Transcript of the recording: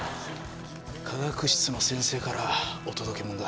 化学室の先生からお届けもんだ。